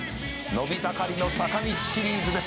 伸び盛りの坂道シリーズです」